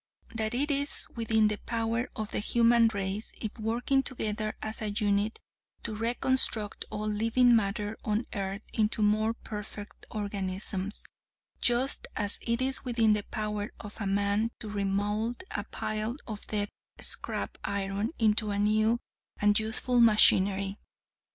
That it is within the power of the human race, if working together as a unit, to reconstruct all living matter on earth into more perfect organisms, just as it is within the power of man to re mould a pile of dead scrap iron into new and useful machinery.